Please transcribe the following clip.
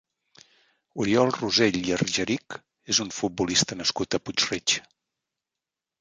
Oriol Rosell i Argerich és un futbolista nascut a Puig-reig.